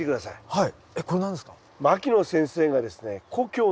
はい。